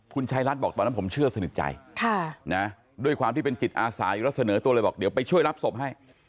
คุณชายรัฐบอกตอนนั้นผมเชื่อสนิทใจด้วยความที่เป็นจิตอาสาอยู่แล้วเสนอตัวเลยบอกเดี๋ยวไปช่วยรับศพให้